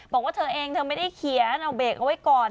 บอกว่าเธอเองเธอไม่ได้เขียนเอาเบรกเอาไว้ก่อน